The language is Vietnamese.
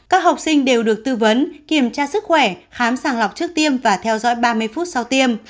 các học sinh đều được tư vấn kiểm tra sức khỏe khám sàng lọc trước tiên và theo dõi ba mươi phút sau tiêm